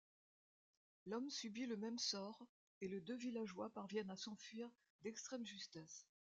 L'homme subit le même sort, et les deux villageois parviennent à s'enfuir d'extrême justesse.